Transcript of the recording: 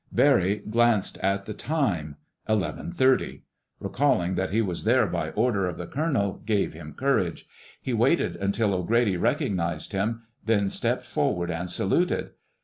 Barry glanced at the time—eleven thirty. Recalling that he was there by order of the colonel gave him courage. He waited until O'Grady recognized him, then stepped forward and saluted.